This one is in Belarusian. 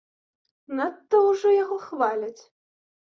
Надта ўжо яго хваляць.